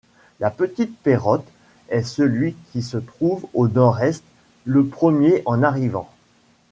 La Petite Pérotte est celui qui se trouve au nord-est, le premier en arrivant.